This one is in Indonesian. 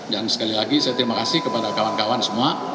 sekali lagi saya terima kasih kepada kawan kawan semua